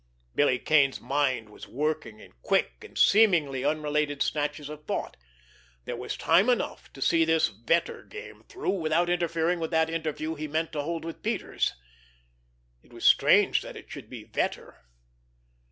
Billy Kane's mind was working in quick, and seemingly unrelated snatches of thought. There was time enough to see this Vetter game through without interfering with that interview he meant to hold with Peters.... It was strange that it should be Vetter